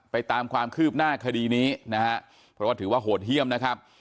ตามความคืบหน้าคดีนี้นะฮะเพราะว่าถือว่าโหดเยี่ยมนะครับ